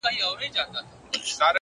چي جانان مري دى روغ رمټ دی لېونى نـه دی،